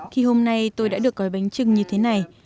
thì hôm nay tôi đã được gói bánh trưng như thế này